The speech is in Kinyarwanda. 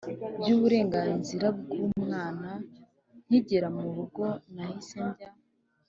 by'uburenganzira bw'umwana. nkigera mu rugo, nahise njya